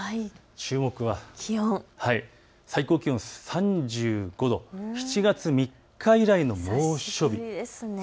注目は気温、最高気温３５度、７月３日以来の猛暑日。